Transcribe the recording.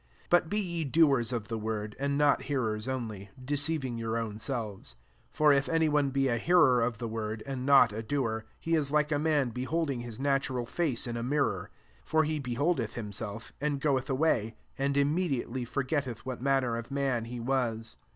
22 But be ye doers of the word; and not hearers only, deceiving your own selves. 23 For if any one be a hearer of the word, and not a doer, he is like a man l^holding his natu ral lace in a mirror : 24 for he beholdeth himself, and goeth away, and immediately forget eth what manner of man he was.